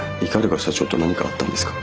鵤社長と何かあったんですか？